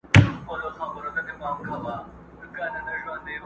په جهان جهان غمو یې ګرفتار کړم،